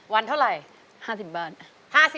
วันเท่าไหร่๕๐บาท